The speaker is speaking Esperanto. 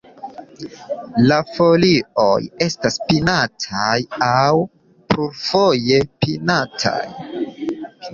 La folioj estas pinataj aŭ plurfoje pinataj.